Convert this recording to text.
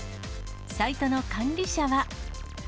サイトの管理者は。